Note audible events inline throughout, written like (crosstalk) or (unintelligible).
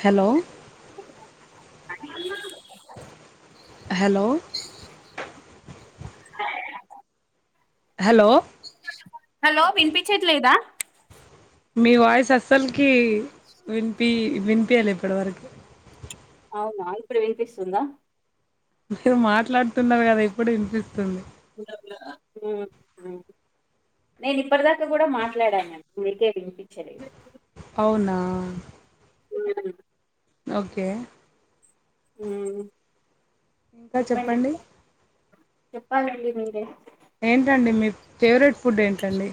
Hello అ hello hello hello వినిపించట్లేదా? మీ వాయిస్ అస్సల్కి వినిపి వినిపియలే ఇప్పటివరకు అవునా ఇప్పుడు వినిపిస్తుందా? ఇపుడు మీరు మాట్లాడుతున్నారు కదా ఇప్పుడు వినిపిస్తుంది. నేను ఇప్పటిదాకా కూడా మాట్లాడాను, మీకే వినిపించలేదు. అవునా అ ఓకే ఉమ్ ఇంకా చెప్పండి? చెప్పాలండి మీరె ఏంటండి మీ ఫేవరెట్ ఫుడ్ ఏంటండి?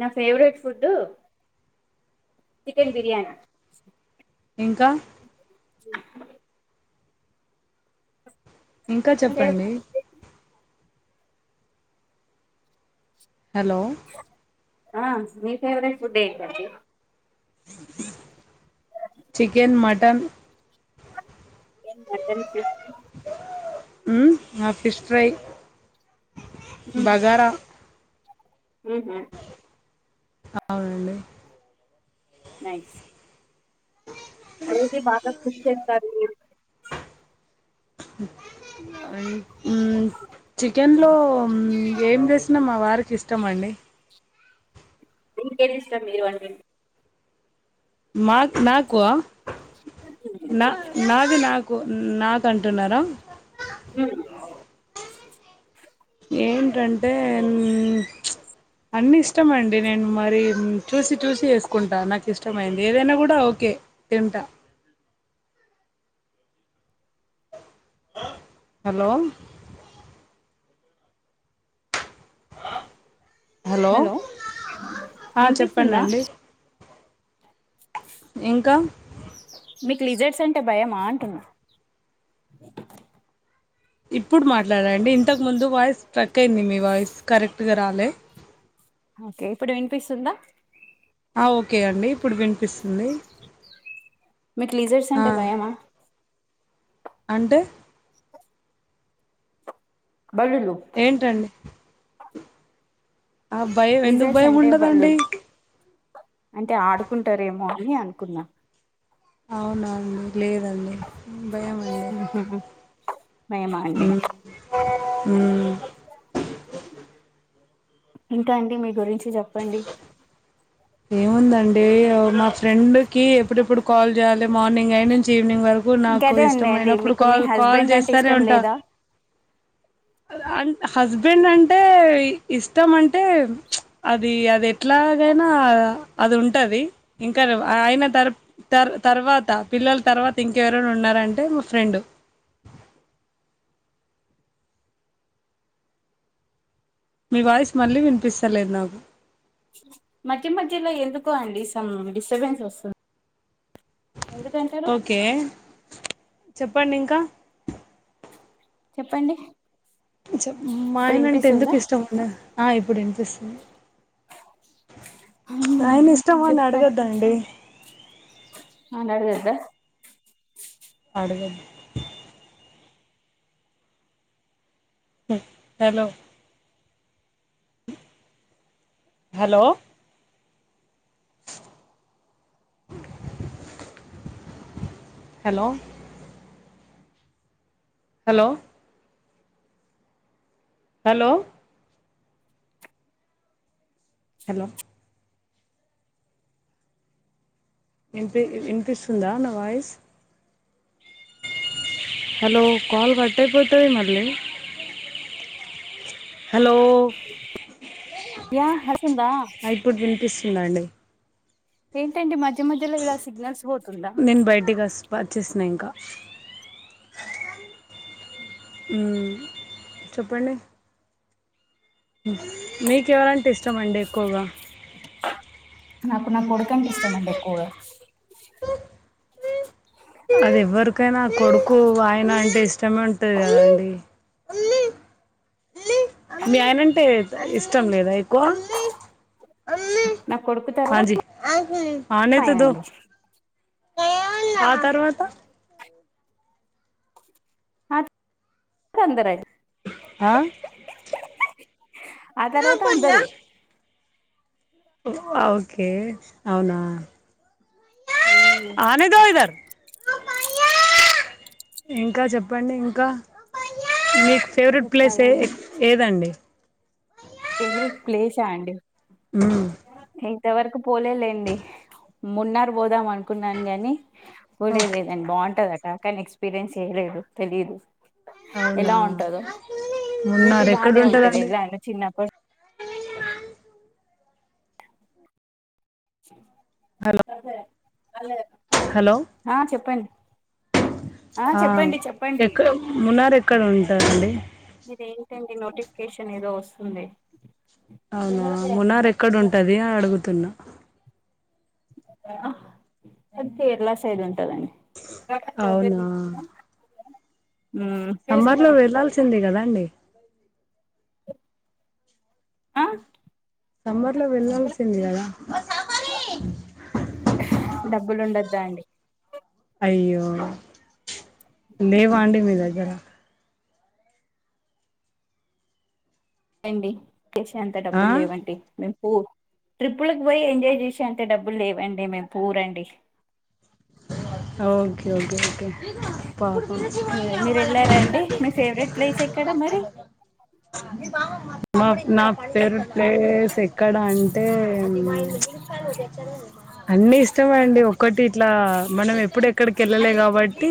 నా ఫేవరెట్ ఫుడ్డు, చికెన్ బిర్యానీ. ఇంకా ఉ ఇంకా చెప్పండి? హలో ఆ మీ ఫేవరెట్ ఫుడ్ ఏంటండీ? Chicken, mutton chicken, mutton, fish ఉమ్ నాకు ఫిష్ ఫ్రై, బగారా ఉహు అవునండి. నైస్ అదైతే బాగా కుక్ చేస్తారు మీరు? ఉమ్ చికెన్ లో ఏం చేసినామా బా వారికి ఇష్టం అండి. మీకేది ఇష్టం లేవండి మాక్ నాకు నా నాది నాక్ కు నాకంటున్నారా? ఉమ్ ఏంటంటే ఉమ్ ప్చ్ అన్ని ఇష్టమండి నేను మరి చూసి చూసి ఏసుకుంటా, నాకు ఇష్టమైంది ఏదైనా కూడా ఓకే కె తింటా హలో హలో ఆ వినిపిస్తుందా? చెప్పండండి ఇంకా మీకు లిజెర్ట్స్ అంటే భయమా అంటున్న. ఇప్పుడు మాట్లాడండి ఇంతకు ముందు వాయిస్ ట్రక్ అయింది మీ వాయిస్ కరెక్ట్గా రాలే. ఓకే ఇప్పుడు వినిపిస్తుందా ఆ ఓకే అండి ఇప్పుడు వినిపిస్తుంది మీకు లీజడ్సు ఆ అంటే భయమా అంటే బల్లులు ఏంటండి ఆ భయం ఎందుకు లిజర్ట్సు భయం అంటే బల్లులు ఉండదండి అంటే ఆడుకుంటారేమో అని అనుకున్నా అవునా అండి లేదండి భయమండి భయమా అండి ఉమ్ హు ఇంకా అండి మీ గురించి చెప్పండి ఏముందండి మా ఫ్రెండ్ కి ఎప్పుడెప్పుడు కాల్ చేయాలి మార్నింగ్ అయి నుంచి ఈవినింగ్ వరకు నాకు ఇంకదే ఉన్నాయండి ఇష్టమయినప్పుడు మీకు మీ కాల్ కాల్ హస్బెండ్ అంటే చేస్తానే ఇష్టం ఉంటా లేదా అ హస్బెండ్ అంటే ఇష్టం అంటే అది అది ఎట్లా ఎలాగైనా అది ఉంటది ఇంకా అయిన త తర్వాత పిల్లల తర్వాత ఇంకెవరైనా ఉన్నారంటే మా ఫ్రెండ్ మీ వాయిస్ మళ్ళీ వినిపిస్తలేదు నాకు మధ్య మధ్యలో ఎందుకో అండి సమ్ డిస్టర్బెన్స్ వస్తుంది ఎందుకంటారు ఓకే చెప్పండి ఇంకా చెప్పండి మా ఇప్పుడు ఆయన అంటే ఎందుకు వినిపిస్తుందా ఇష్టం ఉండది ఆ ఇప్పుడు వినిపిస్తుంది ఆయన ఇష్టమని అడగొద్దండి ఆ అడుగద్దా అడగొద్దు hello hello hello hello hello hello ఇనిపి వినిపిస్తుందా నా వాయిస్ హలో కాల్ కట్ అయిపోతది మళ్ళీ హలో యా కలిసిందా ఇలాండి ఏంటి అండి మధ్యధ్యలో ఇలా సిగ్నల్స్ పోతూ నేను బయటికిస్త వచేసిన ఇంకా ఉమ్ చెప్పండి మీకు ఎవరంటే ఇష్టమ అండి ఎక్కువగా నాకు నా కొడుకంటే ఇష్టమ అండి ఎక్కువగా అది ఎవ్వరికైనా కొడుకు ఆయన అంటే ఇష్టమే ఉంటది కదండి ఆ మీ ఆయనంటే ఇష్టం లేదయితే ఆ ఫైన అండి ఆ తర్వాత అందరే ఆ ఆ తర్వాత అందరూ ఓకే అవునా మ్మ్. (unintelligible) ఇంకా చెప్పండి ఇంక మీకు ఫేవరెట్ ప్లేస్ ఏ చెప్పాలండి ఏదండి ఫేవరెట్ ప్లేసా అండి ఉ ఇంతవరకు పోలేలేండి మున్నార్ పోదాం అనుకున్నాను గాని పోలేదు ఓకే లేదండి బాగుంటదట కానీ ఎక్స్పీరియన్స్ చేయలేదు తెలీదు అవునా ఎలా ఉంటదో ఊటీ మున్నార్ ఎక్కడ బానే ఉంటది ఉంటదండి ఎల్లను చిన్న (inaudible) హలో ఆ చెప్పం ఆ చెప్పండి ఎక్క మునార్ ఎక్కడ ఉంటదండి ఇది ఏంటండి నోటిఫికేషన్ ఏదో వస్తుందే అవునా మునార్ ఎక్కడ ఉంటది అని అడుగుతున్న (unintelligible) కేరళ సైడ్ ఉం అవునా మ్మ్ సమ్మర్ లో వెళ్లాల్సిందే కదా అండి అ సమ్మర్ లో వెళ్లాల్సింది కదా డబ్బులు ఉండోద్దా అండి అయ్యో లేవాండి మీ దగ్గర (unintelligible) చేసేంత ఆ డబ్బులు లేవండి మే ట్రిప్పులకి పోయి ఎంజాయ్ చేసే అంత డబ్బులు లేవండి మేము పూరండి ఓకే ఓకే ఓకే పాపం మీరు వెళ్ళారా అండి మీ ఫేవరెట్ ప్లేస్ ఎక్కడ మరి మేం బా మా నా పేవరెట్ ప్లేస్ ఎక్కడా అంటే అన్ని ఇష్టమే అండి ఒక్కటి ఇట్లా మనం ఎప్పుడు ఎక్కడికి వెళ్ళలే కాబట్టి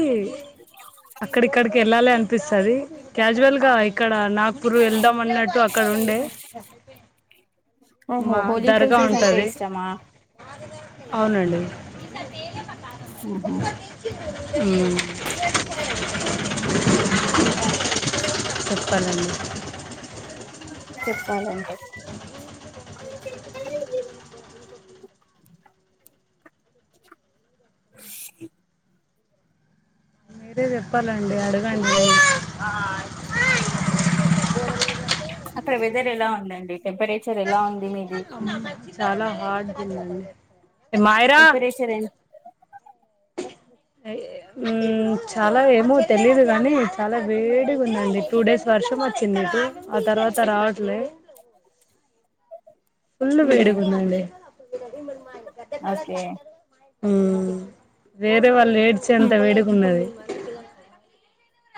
అక్కడిక్కడికి వెళ్ళాలి అనిపిస్తుది క్యాజువల్ గా ఇక్కడ నాగ్పూర్ వెళ్దాం అన్నట్టు (unintelligible) ఉండే ఓహో మా హోలీ దర్గ ప్లేసెస్ అంటే ఉంటది ఇష్టమా అవునండి ఆహా ఉ ఇంకా అండి చెప్పాలండి చెప్పాలంటే (unintelligible) (unintelligible) మీరే చెప్పాలండి అడగండి అక్కడ వెదర్ ఎలా ఉందండి టెంపరేచర్ ఎలా ఉంది మీది మాయ్ర టెంపరేచర్ ఎ ఉ చాల ఏమో తెలీదు గానీ చాల వేడిగా ఉందండి టూ డేస్ వర్షం వచ్చిందిటు ఆ తర్వాత రా ట్లే ఫుల్ ఉహు వేడిగుందండి ఓకే మ్ వేరే వాళ్ళు ఏడ్చే అంత ఉమ్. వేడిగున్నది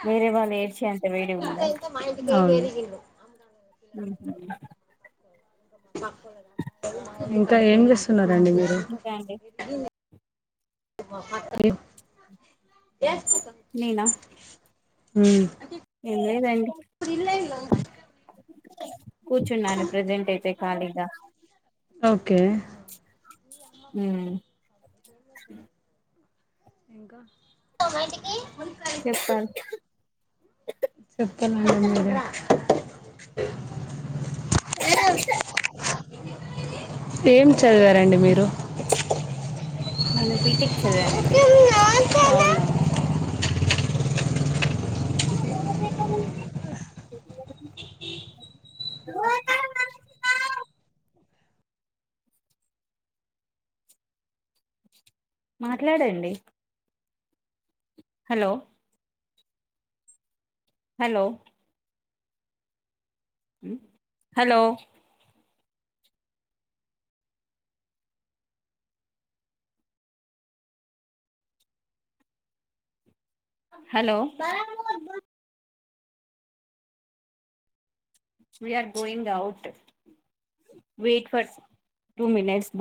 వేరే వాళ్ళు ఏడ్చే అం అవును మ్ హు ఇంకా ఏం చేస్తున్నారండి మీరు (inaudible) ఇంకా అండి నినా మ్ కూర్చున్నాను ప్రజెంట్ అయితే ఖాళీగా ఓకే మ్ ఇంకా చెప్పాలీ చెప్పలండి మీరే ఏ ఏం చదివారండి మీరు నేను బీటెక్ చదివానండి హ ద మాట్లాడండి hello hello hello hello we're going out wait for two minutes